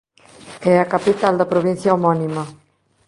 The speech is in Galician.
É a capital da provincia homónima.